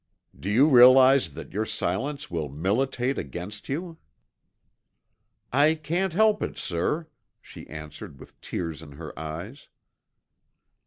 "Do you realize that your silence will militate against you?" "I can't help it, sir," she answered with tears in her eyes.